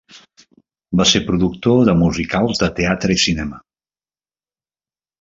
Va ser productor de musicals de teatre i de cinema.